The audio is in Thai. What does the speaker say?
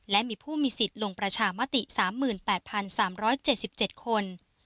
และมีผู้มีสิทธิ์ลงประชามติ๓๘๓๗๗คน